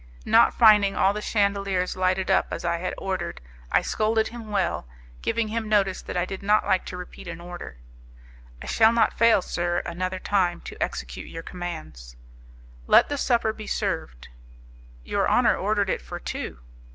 Not finding all the chandeliers lighted up as I had ordered, I scolded him well, giving him notice that I did not like to repeat an order. "I shall not fail; sir, another time, to execute your commands." "Let the supper be served." "Your honour ordered it for two."